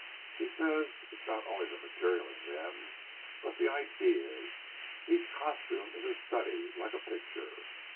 "She says it's not only the material in them, but the ideas. Each costume is a study, like a picture.